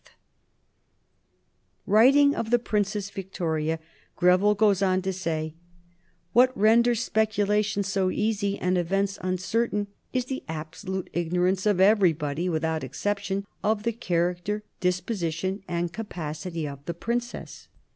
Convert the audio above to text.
[Sidenote: 1837 The Princess Victoria] Writing of the Princess Victoria, Greville goes on to say: "What renders speculation so easy, and events uncertain, is the absolute ignorance of everybody, without exception, of the character, disposition, and capacity of the Princess.